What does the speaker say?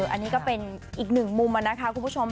อันนี้ก็เป็นอีก๑มุมคุณผู้ชม